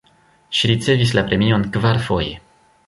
Ŝi ricevis la premion kvarfoje.